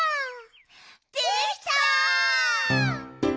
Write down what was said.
できた！